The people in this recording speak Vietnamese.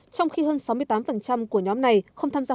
trong khi hơn sáu mươi tám của nhóm này không tham gia